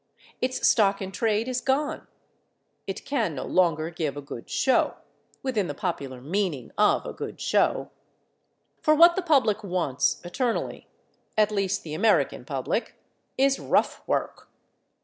Its stock in trade is gone. It can no longer give a good show—within the popular meaning of a good show. For what the public wants eternally—at least the American public—is rough work.